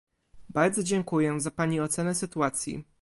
Bardzo dziękuję za pani ocenę sytuacji